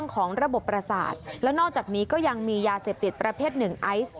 ของระบบประสาทแล้วนอกจากนี้ก็ยังมียาเสพติดประเภทหนึ่งไอซ์